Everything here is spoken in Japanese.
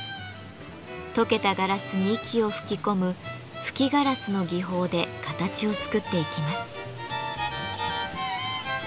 溶けたガラスに息を吹き込む「吹きガラス」の技法で形を作っていきます。